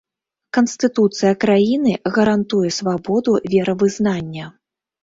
Канстытуцыя краіны гарантуе свабоду веравызнання.